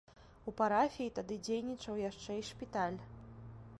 У парафіі тады дзейнічаў яшчэ і шпіталь.